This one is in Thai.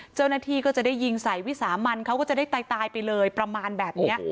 เจ้าหน้าที่ก็จะได้ยิงใส่วิสามันเขาก็จะได้ตายไปเลยประมาณแบบนี้